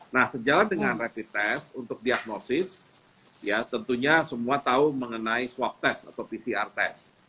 nah sejalan dengan rapid test untuk diagnosis ya tentunya semua tahu mengenai swab test atau pcr test